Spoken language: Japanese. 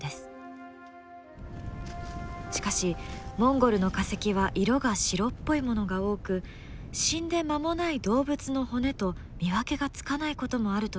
しかしモンゴルの化石は色が白っぽいものが多く死んで間もない動物の骨と見分けがつかないこともあるといいます。